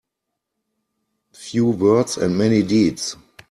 Few words and many deeds.